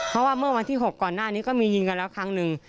เพราะว่าเมื่อวันที่๖ก่อนหน้านี้ก็มียิงกันแล้วครั้งหนึ่ง